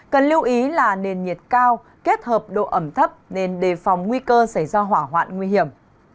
cần lưu ý là nền nhiệt cao kết hợp độ ẩm thấp nên đề phòng nguy cơ xảy ra hỏa hoạn nguy hiểm